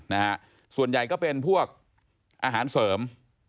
นะฮะส่วนใหญ่ก็เป็นพวกอาหารเสริม